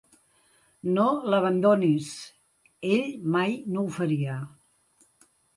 No l'abandonis. Ell mai no ho faria.